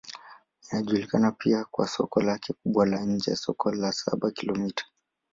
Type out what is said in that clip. Inajulikana pia kwa soko lake kubwa la nje, Soko la Saba-Kilomita.